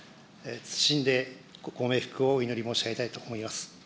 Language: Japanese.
謹んでご冥福をお祈り申し上げたいと思います。